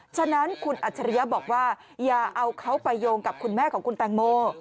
ฉะนั้นคุณอัจฉริยะบอกว่าอย่าเอาเขาไปโยงกับคุณแม่ของคุณแตงโม